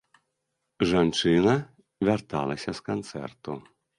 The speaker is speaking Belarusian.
Жанчына вярталася з канцэрту.